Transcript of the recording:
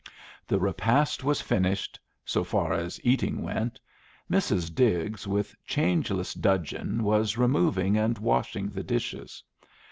The repast was finished so far as eating went. Mrs. Diggs with changeless dudgeon was removing and washing the dishes.